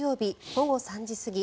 午後３時過ぎ